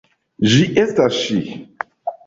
Ĝi estas ŝi!